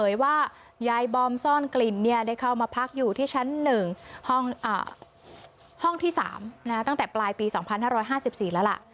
ว่ายายบอมซ่อนกลิ่นได้เข้ามาพักอยู่ที่ชั้น๑ห้องที่๓ตั้งแต่ปลายปี๒๕๕๔แล้วล่ะ